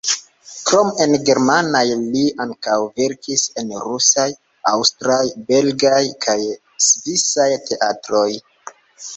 Krom en germanaj li ankaŭ verkis en rusaj, aŭstraj, belgaj kaj svisaj teatroj.